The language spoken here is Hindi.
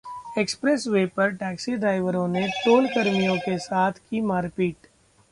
एक्सप्रेसवे पर टैक्सी ड्राइवरों ने टोल कर्मियों के साथ की मारपीट